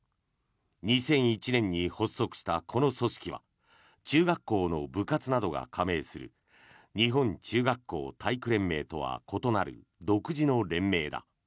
２００１年に発足したこの組織は中学校の部活などが加盟する日本中学校体育連盟とは異なる独自の連盟だ。